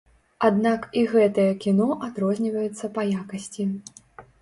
Аднак і гэтае кіно адрозніваецца па якасці.